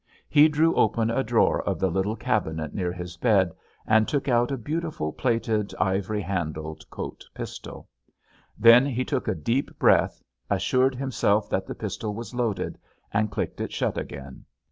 He drew open a drawer of the little cabinet near his bed, and took out a beautiful plated ivory handled Colt pistol. Then he took in a deep breath, assured himself that the pistol was loaded and clicked it shut again.